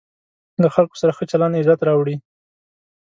له خلکو سره ښه چلند عزت راوړي.